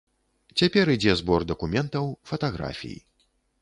Цяпер ідзе збор дакументаў, фатаграфій.